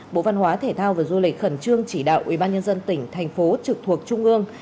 bộ văn hóa thể thao và du lịch khẩn trương chỉ đạo ubnd tỉnh thành phố trực thuộc trung ương